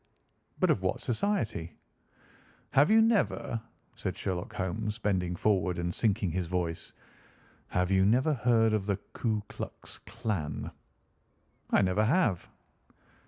"But of what society?" "Have you never—" said Sherlock Holmes, bending forward and sinking his voice—"have you never heard of the Ku Klux Klan?" "I never have."